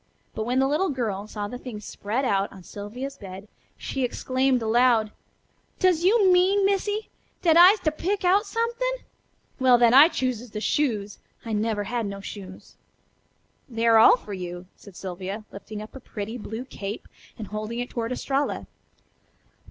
But when the little girl saw the things spread out on Sylvia's bed she exclaimed aloud: "Does you mean, Missy, dat I'se to pick out somethin'? Well, then I chooses the shoes. I never had no shoes." "They are all for you," said Sylvia, lifting up a pretty blue cape and holding it toward Estralla.